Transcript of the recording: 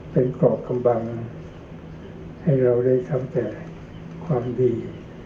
เป็นกรอบคำบังให้เราได้ทำแต่ความดี